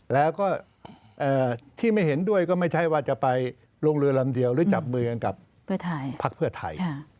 แล้วก็ที่ไม่เห็นด้วยก็ไม่ใช่ว่าจะไปลงเรือลำเดียวหรือจับมือกันกับพักเพื่อไทย